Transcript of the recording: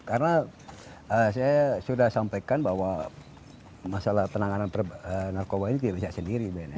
karena saya sudah sampaikan bahwa masalah penanganan narkoba ini tidak bisa sendiri bnn